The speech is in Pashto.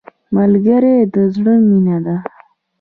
ملګری د زړه مینه ده